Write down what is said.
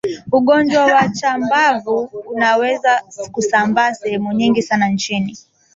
Ugonjwa wa chambavu unaweza kusambaa sehemu nyingi sana nchini